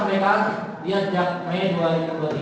pesan pesan kesanta ini